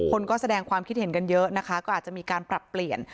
คนก็แสดงความคิดเห็นกันเยอะนะคะก็อาจจะมีการปรับเปลี่ยน